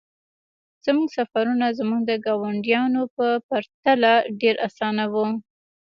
زموږ سفرونه زموږ د ګاونډیانو په پرتله ډیر اسانه وو